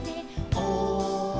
「おい！」